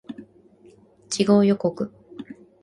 次号予告